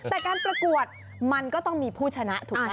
แต่การประกวดมันก็ต้องมีผู้ชนะถูกไหม